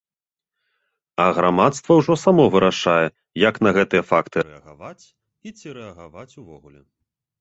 А грамадства ўжо само вырашае, як на гэтыя факты рэагаваць, і ці рэагаваць увогуле.